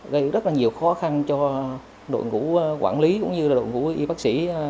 gây rất nhiều khó khăn cho đội ngũ quản lý cũng như đội ngũ y bác sĩ